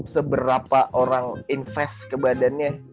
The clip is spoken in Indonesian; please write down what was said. seberapa orang invest ke badannya